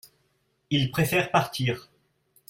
il préfère partir.